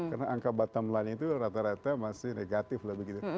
karena angka bottom line itu rata rata masih negatif lah begitu